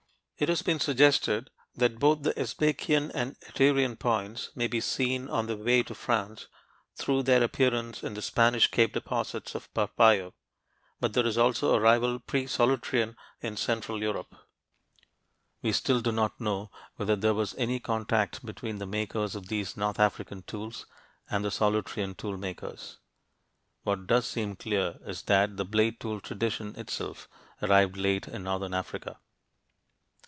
It has been suggested that both the Sbaikian and Aterian points may be seen on their way to France through their appearance in the Spanish cave deposits of Parpallo, but there is also a rival "pre Solutrean" in central Europe. We still do not know whether there was any contact between the makers of these north African tools and the Solutrean tool makers. What does seem clear is that the blade tool tradition itself arrived late in northern Africa.